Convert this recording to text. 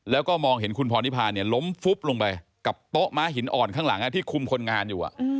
แล้วก็มองเห็นคุณพรนิพาเนี่ยล้มฟุบลงไปกับโต๊ะม้าหินอ่อนข้างหลังที่คุมคนงานอยู่